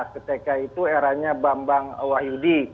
ketika itu eranya bambang wahyudi